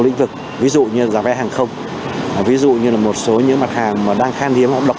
lĩnh vực ví dụ như giá vé hàng không ví dụ như là một số những mặt hàng đang khan hiếm họ đọc